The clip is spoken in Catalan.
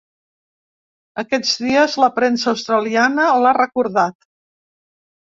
Aquests dies la premsa australiana l’ha recordat.